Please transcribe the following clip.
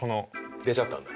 出ちゃったんだ。